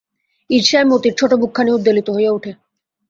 ঈর্ষায় মতির ছোট বুকখানি উদ্বেলিত হইয়া ওঠে।